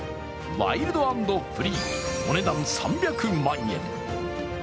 ワイルドアンドフリー、お値段３００万円。